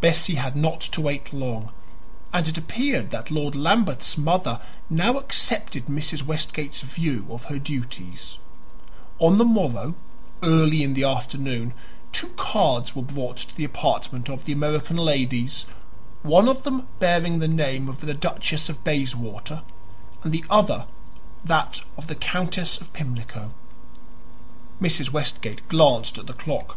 Bessie had not to wait long, and it appeared that Lord Lambeth's mother now accepted Mrs. Westgate's view of her duties. On the morrow, early in the afternoon, two cards were brought to the apartment of the American ladies one of them bearing the name of the Duchess of Bayswater and the other that of the Countess of Pimlico. Mrs. Westgate glanced at the clock.